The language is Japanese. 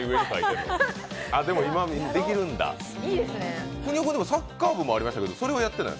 「くにおくん」はサッカー部もありましたけど、それはやってない？